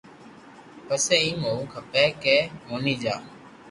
پسي ايم ھووُ کپي ڪي موني جا